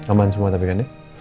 aman semua tapi kan ya